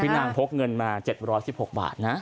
นางพกเงินมา๗๑๖บาทนะ